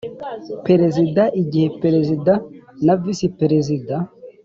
Perezida Igihe Perezida na Visi Perezida